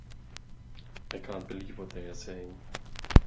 I can't believe what they're saying.